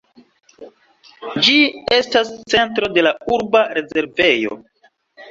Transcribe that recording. Ĝi estas centro de la urba rezervejo.